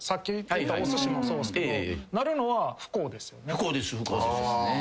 不幸です不幸です。